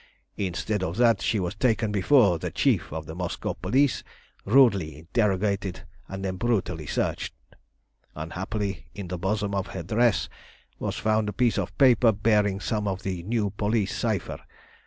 Instead of that she was taken before the chief of the Moscow police, rudely interrogated, and then brutally searched. Unhappily, in the bosom of her dress was found a piece of paper bearing some of the new police cypher.